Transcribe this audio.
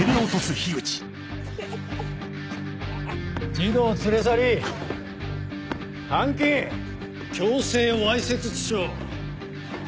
児童連れ去り監禁強制わいせつ致傷。